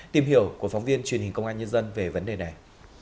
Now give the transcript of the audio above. tìm hiểu của phóng viên truyền hình công an nhân dân về vấn đề này